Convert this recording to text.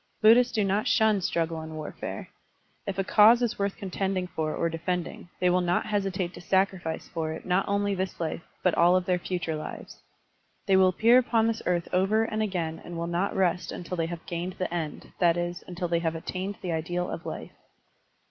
Buddhists do not shun struggle and warfare. If a cause is worth contending for or defending, they will not hesitate to sacrifice for it not only this life but all of their future lives. They will appear upon this earth over and again and will not rest tmtil they have gained the end, that is, until they have attained the ideal of life.